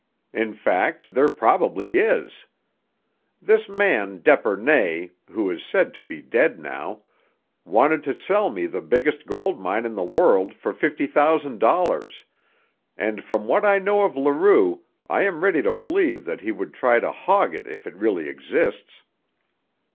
"In fact, there probably is. This man, d'Epernay, who is said to be dead now, wanted to sell me the biggest gold mine in the world for fifty thousand dollars, and from what I know of Leroux I am ready to believe that he would try to hog it if it really exists.